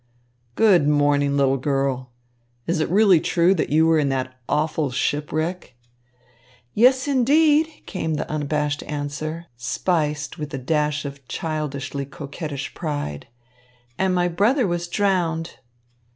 "Good morning, little girl. Is it really true that you were in that awful shipwreck?" "Yes, indeed," came the unabashed answer, spiced with a dash of childishly coquettish pride, "and my brother was drowned."